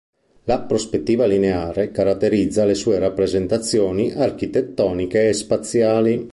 La prospettiva lineare caratterizza le sue rappresentazioni architettoniche e spaziali.